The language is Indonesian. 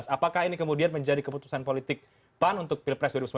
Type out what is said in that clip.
apakah ini kemudian menjadi keputusan politik pan untuk pilpres dua ribu sembilan belas